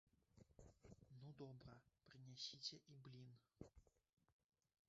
Ну добра, прынясіце і блін.